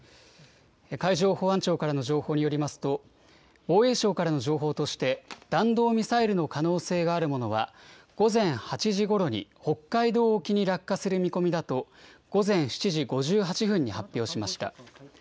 海上保安庁からの情報によりますと、防衛省からの情報として、弾道ミサイルの可能性があるものは、午前８時ごろに北海道沖に落下する見込みだと、午前７時５８分に発表しました。